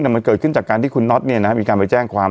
แต่มันเกิดขึ้นจากการที่คุณน็อตเนี้ยนะฮะมีการไปแจ้งความ